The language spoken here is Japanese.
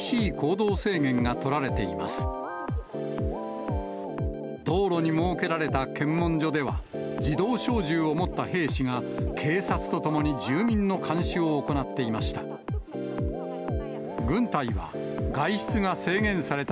道路に設けられた検問所では、自動小銃を持った兵士が、警察と共に住民の監視を行っていました。